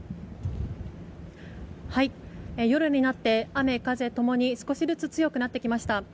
夜になって雨風ともに少しずつ強くなってきました。